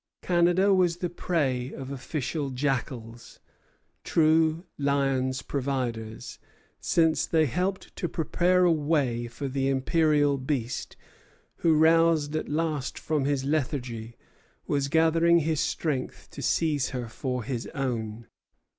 Canada was the prey of official jackals, true lion's providers, since they helped to prepare a way for the imperial beast, who, roused at last from his lethargy, was gathering his strength to seize her for his own.